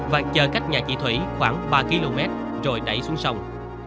và chờ cách nhà chị thủy khoảng ba km rồi đẩy xuống sông